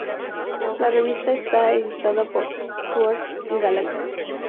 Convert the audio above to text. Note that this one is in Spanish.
La revista está editada por Stuart Gallagher.